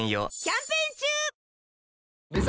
キャンペーン中！